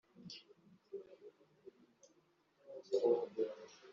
myiza gukora neza no kugira